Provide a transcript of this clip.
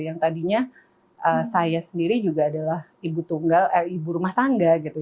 yang tadinya saya sendiri juga adalah ibu rumah tangga gitu